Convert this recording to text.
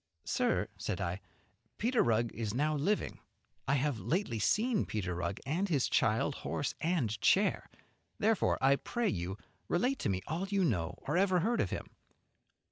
"Sir," said I, "Peter Rugg is now living. I have lately seen Peter Rugg and his child, horse and chair; therefore I pray you to relate to me all you know or ever heard of him."